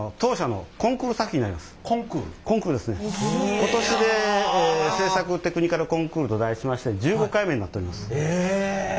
今年で製作テクニカルコンクールと題しまして１５回目になっております。